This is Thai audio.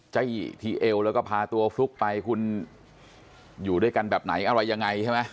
เจ้าอี้ที่เอวแล้วก็พาตัวฟลุ๊กไปคุณอยู่ด้วยกันแบบไหนอะไรยังไงใช่ไหม